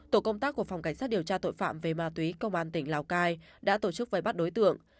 tổ công tác của phòng cảnh sát điều tra tội phạm về ma túy công an tỉnh lào cai đã tổ chức vây bắt đối tượng